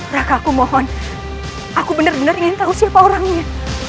maka aku akan menjenguk liat darah disana